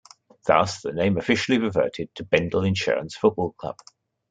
Thus the name officially reverted to Bendel Insurance Football Club.